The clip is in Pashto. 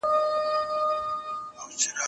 کمپيوټر خوب څاري.